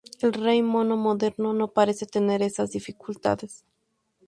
El Rey Mono moderno no parece tener estas dificultades.